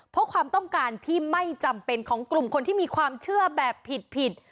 เพราะความต้องการที่ไม่จำเป็นของกลุ่มคนที่มีความเชื่อแบบผิด